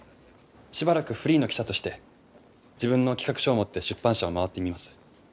しばらくフリーの記者として自分の企画書を持って出版社を回ってみます。